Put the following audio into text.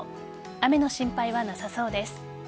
雨の心配はなさそうです。